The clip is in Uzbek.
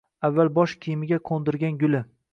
Avval bosh kiyimiga qo‘ndirgan guli